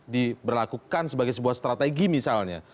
diberlakukan sebagai sebuah strategi misalnya